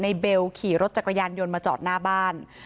เบลขี่รถจักรยานยนต์มาจอดหน้าบ้าน